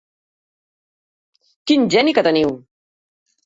Quin geni que teniu!